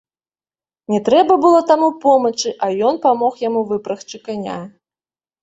Не трэба было таму помачы, а ён памог яму выпрагчы каня.